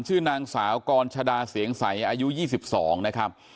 ชื่อนางสาวกรชดาเสียงใสอายุ๒๒นะครับ